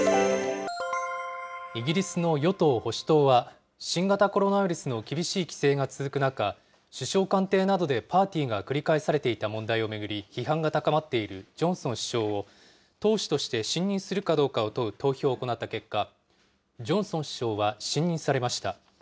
イギリスの与党・保守党は、新型コロナウイルスの厳しい規制が続く中、首相官邸などでパーティーが繰り返されていた問題を巡り、批判が高まっているジョンソン首相を、党首として信任するかどうかを問う投票を行った結果、ジョンソン首相は信任されました。